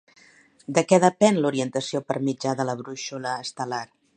De què depèn l'orientació per mitjà de la brúixola estel·lar?